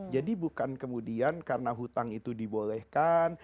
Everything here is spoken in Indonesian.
jadi bukan kemudian karena hutang itu dibolehkan